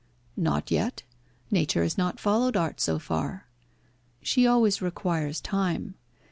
"Not yet. Nature has not followed art so far. She always requires time.